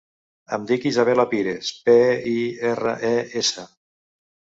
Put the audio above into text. Em dic Isabella Pires: pe, i, erra, e, essa.